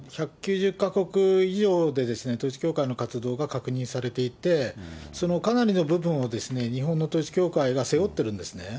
１９０か国以上で、統一教会の活動が確認されていて、そのかなりの部分を日本の統一教会が背負っているんですね。